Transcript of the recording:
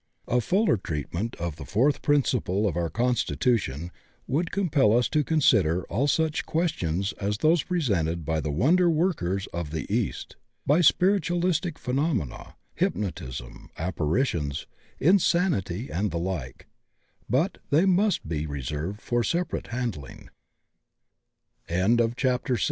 A fuller treatment of the fourth principle of our constitution would compel us to consider all such questions as those presented by the wonder workers of the east, by spiritualistic phenomena, hypnotism, apparitions, insanity, and the like, but they must be reserved for separ